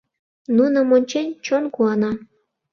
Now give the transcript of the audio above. Нуным ончен, чон куана.